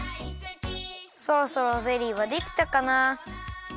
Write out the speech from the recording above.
そろそろゼリーはできたかな。